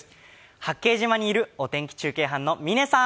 八景島にいるお天気中継班の嶺さん。